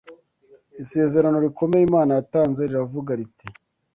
Isezerano rikomeye Imana yatanze riravuga riti: